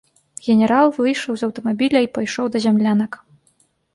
Генерал выйшаў з аўтамабіля і пайшоў да зямлянак.